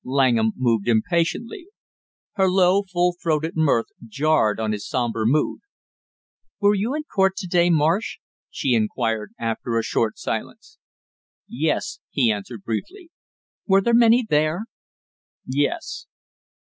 Langham moved impatiently; her low full throated mirth jarred on his somber mood. "Were you in court to day, Marsh?" she inquired, after a short silence. "Yes," he answered briefly. "Were there many there?" "Yes."